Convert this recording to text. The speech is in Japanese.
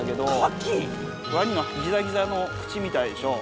ワニのギザギザの口みたいでしょ。